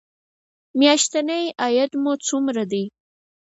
میاشتنی عاید مو څومره دی؟